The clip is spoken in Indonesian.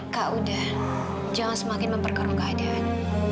kak udah jangan semakin memperkeruh keadaan